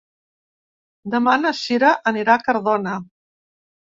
Demà na Sira anirà a Cardona.